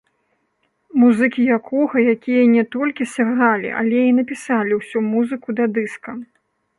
Музыкі якога якія не толькі сыгралі але і напісалі ўсю музыку да дыска.